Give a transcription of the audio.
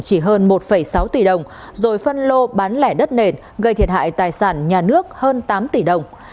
chỉ hơn một sáu tỷ đồng rồi phân lô bán lẻ đất nền gây thiệt hại tài sản nhà nước hơn tám tỷ đồng